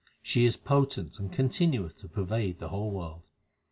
She is potent and continueth to pervade the whole world.